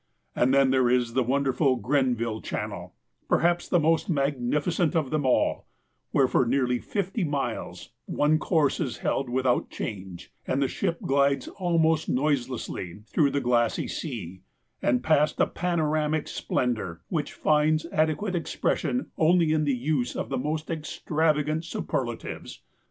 And then there is the wonderful Grenville Channel, perhaps the most magnificent of them all, where, for nearly fifty miles, one course is held without change, and the ship glides almost noiselessly through the glassy sea, and past a panoramic splendour which finds adequate expression only in the use of the most extravagant superlatives.